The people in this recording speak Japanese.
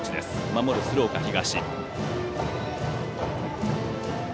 守る鶴岡東。